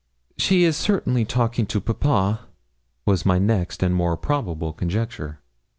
'She is certainly talking to papa,' was my next and more probable conjecture.